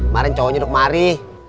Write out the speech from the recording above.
maren cowoknya duduk mari